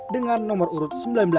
dengan nomor urut sembilan belas